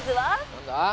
何だ？